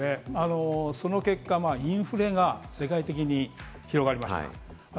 その結果、インフレが世界的に広がりました。